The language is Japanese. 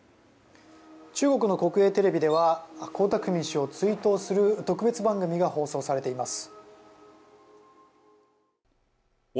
中国の国営テレビでは江沢民氏を追悼する特別番組が放送されています。